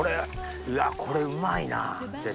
これうまいな絶対。